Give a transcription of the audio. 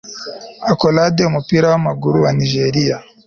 Accolade Umupira wamaguru wa Nigeriya